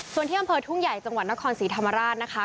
ส่วนที่อำเภอทุ่งใหญ่จังหวัดนครศรีธรรมราชนะคะ